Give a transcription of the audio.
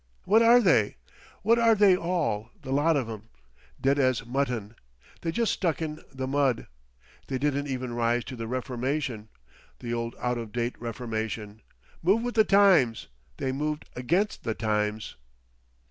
"What are they? What are they all, the lot of 'em? Dead as Mutton! They just stuck in the mud. They didn't even rise to the Reformation. The old out of date Reformation! Move with the times!—they moved against the times.